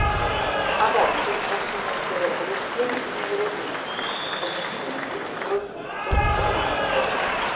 A volte possono essere ripieni di ingredienti, come funghi, prosciutto o manzo.